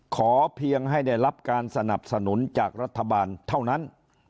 ขอเพียงให้ได้รับการสนับสนุนจากรัฐบาลเท่านั้น